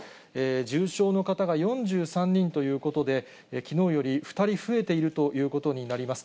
重症の方が４３人ということで、きのうより２人増えているということになります。